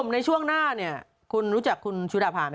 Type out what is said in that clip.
ในช่วงหน้านี้คุณรู้จักคุณชุดาพาไหมครับ